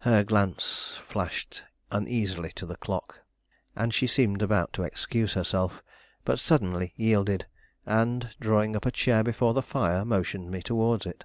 Her glance flashed uneasily to the clock, and she seemed about to excuse herself, but suddenly yielded, and, drawing up a chair before the fire, motioned me towards it.